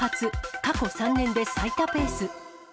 過去３年で最多ペース。